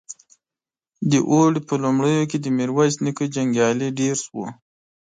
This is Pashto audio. د اوړي په لومړيو کې د ميرويس نيکه جنګيالي ډېر شول.